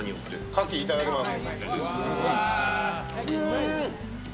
かき、いただきます。